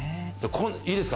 いいですか？